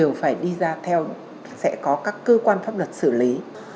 đều phải đi ra sẽ có các cơ quan pháp luật xử lý